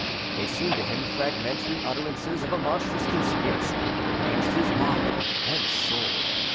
They seemed to him fragmentary utterances of a monstrous conspiracy against his body and soul.